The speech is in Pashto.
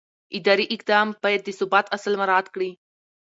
اداري اقدام باید د ثبات اصل مراعت کړي.